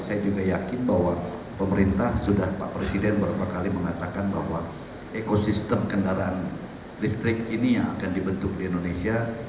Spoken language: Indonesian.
saya juga yakin bahwa pemerintah sudah pak presiden beberapa kali mengatakan bahwa ekosistem kendaraan listrik ini yang akan dibentuk di indonesia